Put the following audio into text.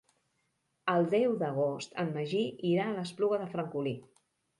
El deu d'agost en Magí irà a l'Espluga de Francolí.